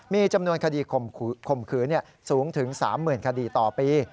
มีจำนวนคดีข่มขืนสูงถึง๓๐๐๐คดีต่อปี